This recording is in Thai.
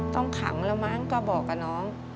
ต้องขังแล้วมั้งก็บอกกับน้อง